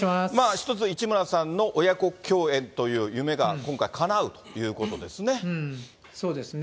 一つ、市村さんの親子共演という夢が今回、かなうということですね。